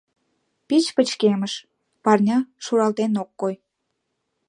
Пич пычкемыш, парня шуралтен ок кой.